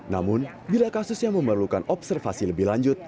namun bila kasusnya memerlukan observasi lebih lanjut